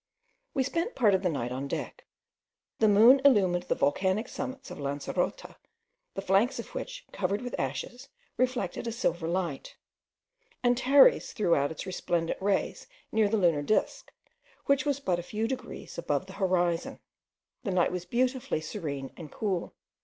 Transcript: We spent part of the night on deck. The moon illumined the volcanic summits of Lancerota, the flanks of which, covered with ashes, reflected a silver light. Antares threw out its resplendent rays near the lunar disk, which was but a few degrees above the horizon. The night was beautifully serene and cool.